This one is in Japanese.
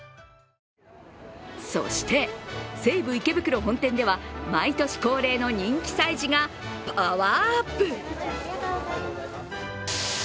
そして西武池袋本店では毎年恒例の人気催事がパワーアップ。